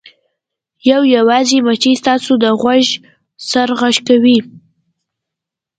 یو یوازې مچۍ ستاسو د غوږ سره غږ کوي